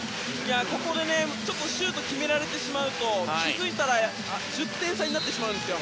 ここでシュート決められてしまうと気づいたら１０点差になってしまうんですよ。